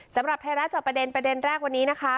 สำหรับไทยรัฐจอบประเด็นประเด็นแรกวันนี้นะคะ